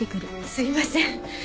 すいません。